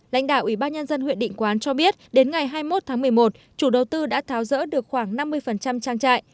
lãnh đạo ủy ban nhân dân huyện định quán cho biết đến ngày hai mươi một tháng một mươi một chủ đầu tư đã tháo rỡ được khoảng năm mươi trang trại